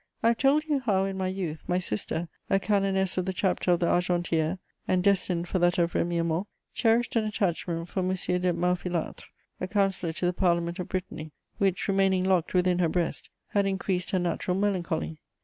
I have told you how, in my youth, my sister, a canoness of the Chapter of the Argentière, and destined for that of Remiremont, cherished an attachment for M. de Malfilâtre, a counsellor to the Parliament of Brittany, which, remaining locked within her breast, had increased her natural melancholy.